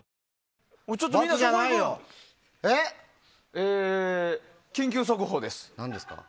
えー、緊急速報です。